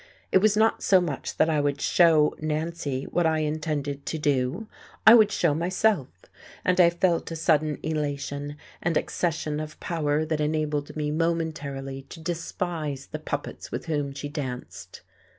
It was not so much that I would show Nancy what I intended to do I would show myself; and I felt a sudden elation, and accession of power that enabled me momentarily to despise the puppets with whom she danced....